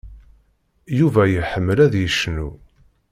Yuba iḥemmel ad yecnu.